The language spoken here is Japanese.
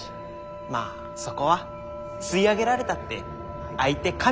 まあそこは吸い上げられたって相手神様だし。